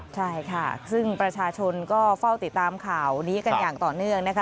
ใช่ค่ะซึ่งประชาชนก็เฝ้าติดตามข่าวนี้กันอย่างต่อเนื่องนะคะ